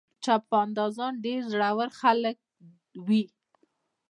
چاپندازان ډېر زړور خلک وي.